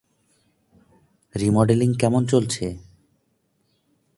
Remodelling কেমন চলছে?